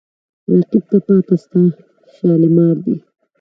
رقیب ته پاته ستا شالمار دی